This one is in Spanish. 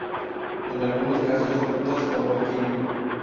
En algunos casos frutas como el kiwi.